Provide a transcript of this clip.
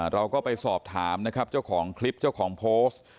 เราก็ไปสอบถามนะครับเจ้าของคลิปเจ้าของโพสต์